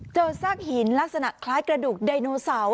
เจอซากหินลักษณะคล้ายกระดูกดันโนซัล